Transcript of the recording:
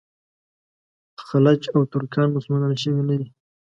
خلج او ترکان مسلمانان شوي نه دي.